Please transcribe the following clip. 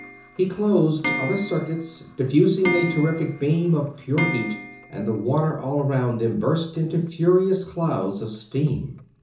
He closed other circuits, diffusing a terrific beam of pure heat, and the water all about them burst into furious clouds of steam.